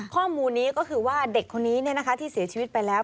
ข้อมูลนี้ก็คือว่าเด็กคนนี้ที่เสียชีวิตไปแล้ว